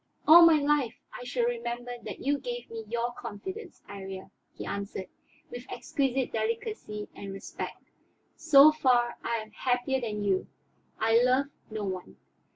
"All my life I shall remember that you gave me your confidence, Iría," he answered, with exquisite delicacy and respect. "So far I am happier than you; I love no one.